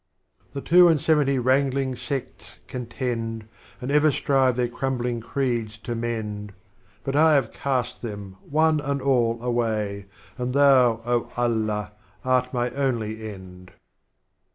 The Two and Seventy Wrangling Sects contend. And ever strive their Crumbling Creeds to mend, But I have cast them. One and All away, And Thou, Oh Allah, art my only End.